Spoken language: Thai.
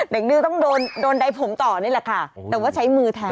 เด็กนึงต้องโดนโดนใดผมต่อนี่แหละค่ะแต่ว่าใช้มือแทง